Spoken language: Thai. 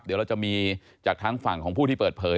เดี๋ยวเราจะมีจากทั้งฝั่งของผู้ที่เปิดเผย